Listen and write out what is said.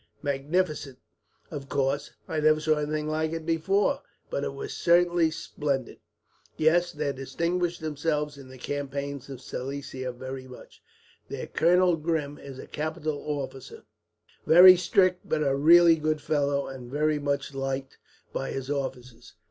"Magnificent. Of course, I never saw anything like it before, but it was certainly splendid." "Yes. They distinguished themselves in the campaigns of Silesia very much. Their colonel, Grim, is a capital officer very strict, but a really good fellow, and very much liked by his officers.